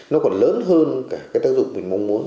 nó còn lớn hơn cả cái tác dụng mình mong muốn